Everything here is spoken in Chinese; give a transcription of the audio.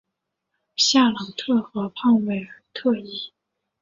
夏朗特河畔韦尔特伊。